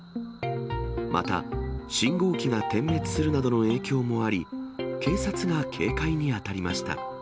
また、信号機が点滅するなどの影響もあり、警察が警戒に当たりました。